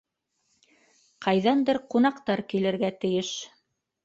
Ҡайҙандыр ҡунаҡтар килергә тейеш.